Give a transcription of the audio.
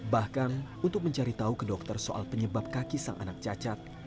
bahkan untuk mencari tahu ke dokter soal penyebab kaki sang anak cacat